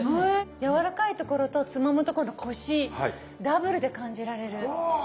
やわらかいところとつまむとこのコシダブルで感じられる。